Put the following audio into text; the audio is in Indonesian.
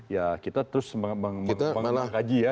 ya kita terus mengkaji ya